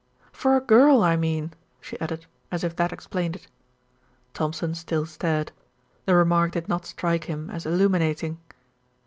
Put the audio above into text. "For a girl, I mean," she added, as if that explained it. Thompson still stared. The remark did not strike him as illuminating.